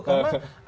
karena ada hak orang